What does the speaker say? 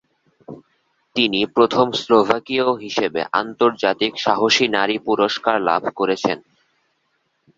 তিনি প্রথম স্লোভাকীয় হিসেবে আন্তর্জাতিক সাহসী নারী পুরস্কার লাভ করেছেন।